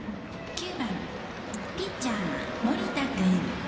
９番、ピッチャー、盛田君。